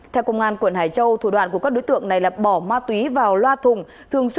theo công an quận hải châu thủ đoạn của các đối tượng này là bỏ ma túy vào loa thùng